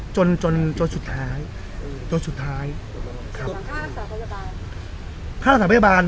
จนจนจนสุดท้ายจนสุดท้ายครับข้าวสาวพยาบาลข้าวสาวพยาบาล